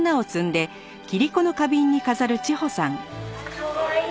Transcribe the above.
かわいい！